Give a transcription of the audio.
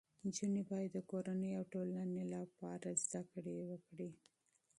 نجونې باید د کورنۍ او ټولنې لپاره علم زده کړي.